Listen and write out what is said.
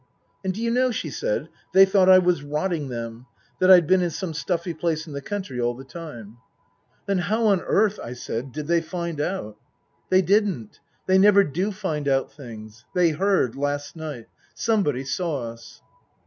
" And do you know," she said, " they thought I was rotting them, that I'd been in some stuffy place in the country all the time." Book I : My Book 87 " Then how on earth/' I said, " did they find out ?"" They didn't. They never do find out things. They heard last night. Somebody saw us."